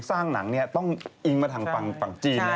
สร้างหนังต้องอิงมาทางปังจีน